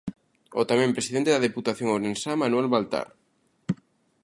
O tamén presidente da Deputación ourensá, Manuel Baltar.